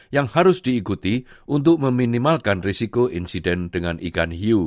yang harus diikuti untuk meminimalkan risiko insiden dengan ikan hiu